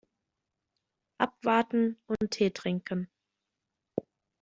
Abwarten und Tee trinken.